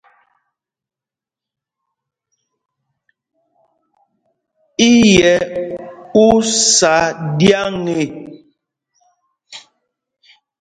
I yɛ́ ú sá ɗyǎŋ e ?